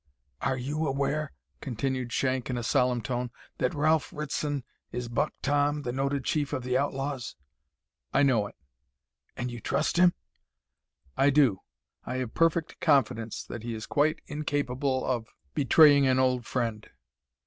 "Are you aware," continued Shank, in a solemn tone, "that Ralph Ritson is Buck Tom the noted chief of the outlaws?" "I know it." "And you trust him?" "I do. I have perfect confidence that he is quite incapable of betraying an old friend."